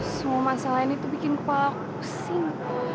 semua masalah ini tuh bikin kepala aku pusing